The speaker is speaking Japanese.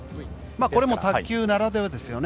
これも卓球ならではですよね。